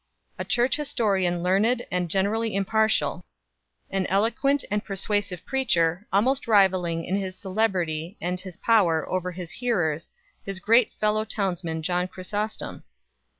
a church historian learned and generally impartial ; an eloquent and persuasive preacher, almost rivalling in his celebrity and his power over his hearers his great fellow townsman John Chrysostom 3